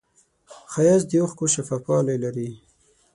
ښایست د اوښکو شفافوالی لري